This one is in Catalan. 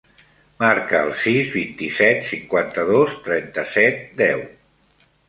Marca el sis, vint-i-set, cinquanta-dos, trenta-set, deu.